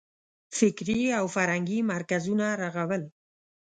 فکري او فرهنګي مرکزونه رغول.